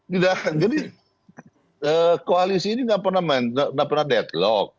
jadi koalisi ini tidak pernah deadlock